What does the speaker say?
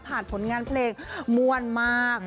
ผ่านผลงานเพลงมวลมาก